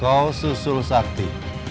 kau susul shakti